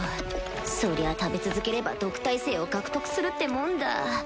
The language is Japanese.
そりゃ食べ続ければ毒耐性を獲得するってもんだ